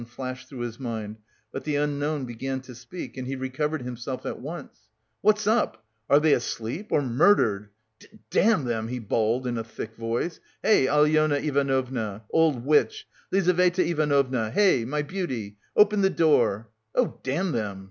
flashed through his mind, but the unknown began to speak and he recovered himself at once. "What's up? Are they asleep or murdered? D damn them!" he bawled in a thick voice, "Hey, Alyona Ivanovna, old witch! Lizaveta Ivanovna, hey, my beauty! open the door! Oh, damn them!